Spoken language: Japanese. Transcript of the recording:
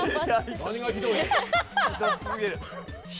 何がひどいねん。